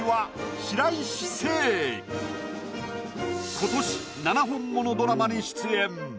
今年７本ものドラマに出演。